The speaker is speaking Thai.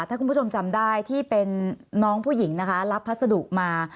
ถ้าคุณผู้ชมจำได้ที่เป็นน้องผู้หญิงนะคะรับพัสดุมา